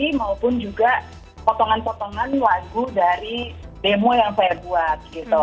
ini maupun juga potongan potongan lagu dari demo yang saya buat gitu